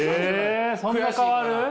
えそんな変わる？